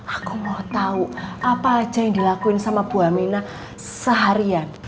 aku mau tahu apa aja yang dilakuin sama bu amina seharian